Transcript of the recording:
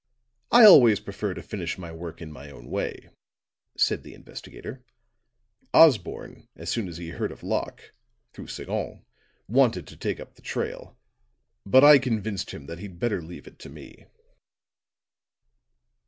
"I always prefer to finish my work in my own way," said the investigator. "Osborne, as soon as he heard of Locke, through Sagon, wanted to take up the trail. But I convinced him that he'd better leave it to me."